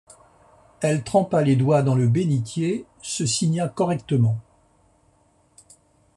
Elle trempa les doigts dans le bénitier, se signa correctement.